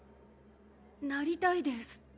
なりたいです。